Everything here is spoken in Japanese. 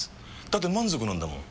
だって満足なんだもん。